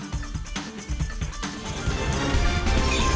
terima kasih juga